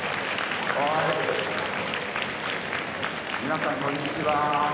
皆さん、こんにちは。